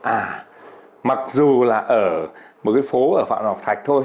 à mặc dù là ở một cái phố ở phạm ngọc thạch thôi